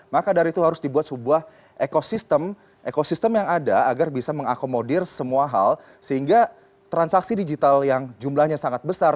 maka dari itu harus dibuat sebuah ekosistem ekosistem yang ada agar bisa mengakomodir semua hal sehingga transaksi digital yang jumlahnya sangat besar